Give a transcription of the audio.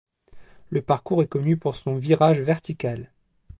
Le parcours est connu pour son virage vertical.